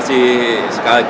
dan pelatih pak